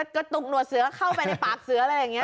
กระตุกหนวดเสือเข้าไปในปากเสืออะไรอย่างนี้